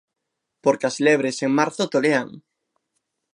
Porque as lebres en marzo tolean.